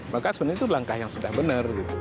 maka sebenarnya itu langkah yang sudah benar